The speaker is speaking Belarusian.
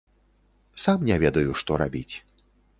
Сам не ведаю, што рабіць.